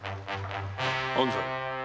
安西。